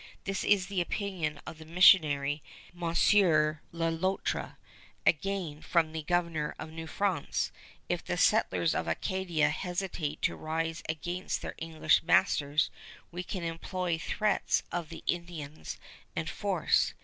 This is the opinion of the missionary, M. Le Loutre." Again, from the Governor of New France: "If the settlers of Acadia hesitate to rise against their English masters, we can employ threats of the Indians and force.